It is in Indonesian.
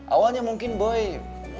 awalnya mungkin boy buat